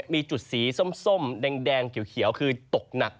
มีจุดสีส้มแดงเขียวคือตกหนัก